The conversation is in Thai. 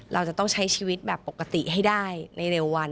เราจะต้องใช้ชีวิตแบบปกติให้ได้ในเร็ววัน